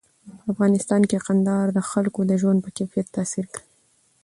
په افغانستان کې کندهار د خلکو د ژوند په کیفیت تاثیر کوي.